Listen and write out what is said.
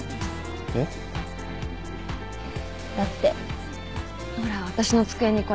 えっ？だってほら私の机にこれ。